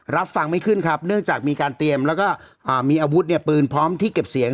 รับฟังไม่ขึ้นครับเนื่องจากมีการเตรียมแล้วก็มีอาวุธเนี่ยปืนพร้อมที่เก็บเสียง